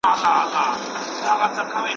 د الله تعالی بندګان د هدايت لاري ته په راوبولئ.